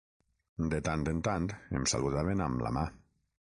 De tant en tant em saludaven amb la mà